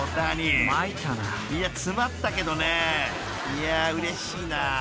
［いやうれしいな］